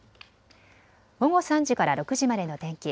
午後３時から６時までの天気。